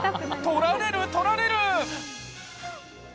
撮られる、撮られる。